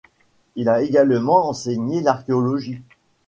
Il a également enseigné l'archéologie.